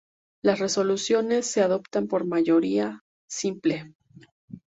Las resoluciones se adoptaban por mayoría simple.